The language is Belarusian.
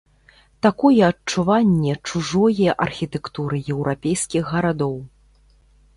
Такое адчуванне чужое архітэктуры еўрапейскіх гарадоў.